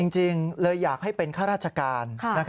จริงเลยอยากให้เป็นข้าราชการ